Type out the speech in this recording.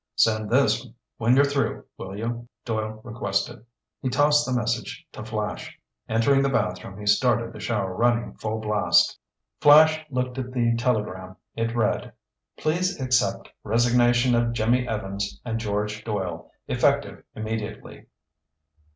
"Send this when you're through, will you?" Doyle requested. He tossed the message to Flash. Entering the bathroom he started the shower running full blast. Flash looked at the telegram. It read: "Please accept resignation of Jimmy Evans and George Doyle, effective immediately."